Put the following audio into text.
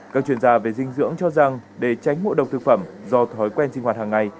các chuyên gia về dinh dưỡng cho rằng để tránh ngộ độc thực phẩm do thói quen sinh hoạt hàng ngày